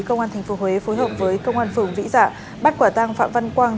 công an thành phố huế phối hợp với công an phường vĩ dạ bắt quả tăng phạm văn quang